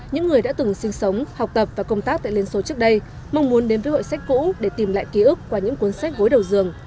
những người đã từng sinh sống học tập và công tác tại liên xô trước đây mong muốn đến với hội sách cũ để tìm lại ký ức qua những cuốn sách gối đầu dường